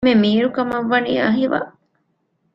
އެންމެ މީރު ކަމަށް ވަނީ އަހިވައް